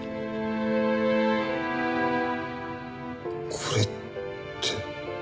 これって。